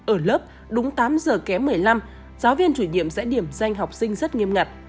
ở lớp đúng tám giờ kém một mươi năm giáo viên chủ nhiệm sẽ điểm danh học sinh rất nghiêm ngặt